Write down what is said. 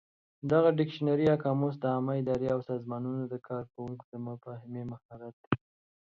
دغه ډکشنري یا قاموس د عامه ادارې او سازمانونو د کارکوونکو د مفاهمې مهارت